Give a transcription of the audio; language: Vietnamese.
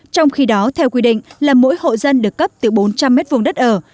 trong khi đó theo quy định là mỗi hộ dân được cấp từ bốn trăm linh m hai đất ở